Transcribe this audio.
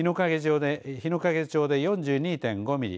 日之影町で４２．５ミリ